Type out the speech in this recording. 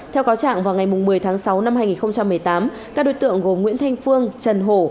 theo cáo trạng vào ngày một mươi tháng sáu năm hai nghìn một mươi tám các đối tượng gồm nguyễn thanh phương trần hổ